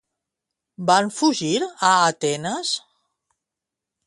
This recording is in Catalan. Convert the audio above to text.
Van fugir a Atenes?